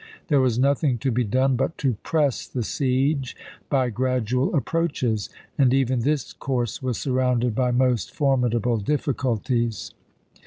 There was nothing to be done but to press the siege by gradual approaches ; and even this course was surrounded by most for midable difficulties.